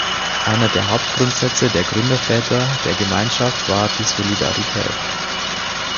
Einer der Hauptgrundsätze der Gründerväter der Gemeinschaft war die Solidarität.